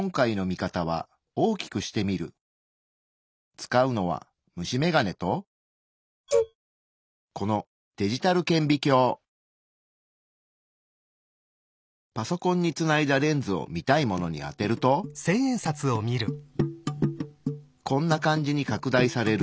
使うのは虫眼鏡とこのパソコンにつないだレンズを見たいものに当てるとこんな感じに拡大される。